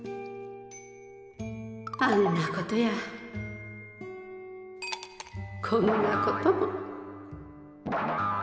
あんなことやこんなことも。